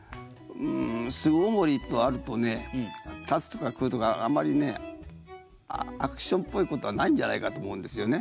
「簾隠り」とあるとね「立つ」とか「食ふ」とかあんまりねアクションっぽいことはないんじゃないかと思うんですよね。